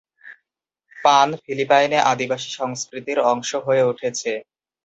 পান ফিলিপাইনে আদিবাসী সংস্কৃতির অংশ হয়ে উঠেছে।